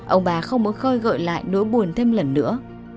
ông bà không muốn khơi gợi lại nỗi buồn thêm lần nữa